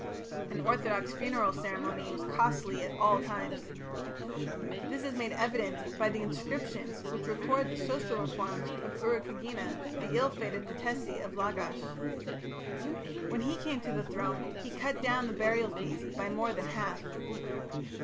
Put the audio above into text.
An orthodox funeral ceremony was costly at all times. This is made evident by the inscriptions which record the social reforms of Urukagina, the ill fated patesi of Lagash. When he came to the throne he cut down the burial fees by more than a half.